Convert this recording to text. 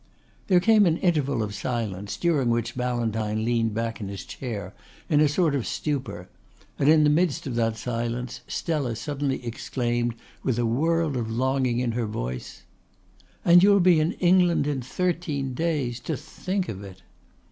There came an interval of silence during which Ballantyne leaned back in his chair in a sort of stupor; and in the midst of that silence Stella suddenly exclaimed with a world of longing in her voice: "And you'll be in England in thirteen days! To think of it!"